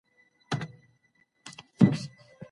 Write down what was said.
که ليکوال د ټولني لپاره وليکي نو خلګ به يې ولولي.